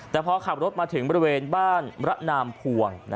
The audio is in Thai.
แต่พอขับรถมาถึงบริเวณบ้านระนามพวง